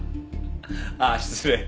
あっ失礼。